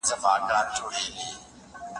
سږکال دې که نیت و، چې اختر مبارکي راکړې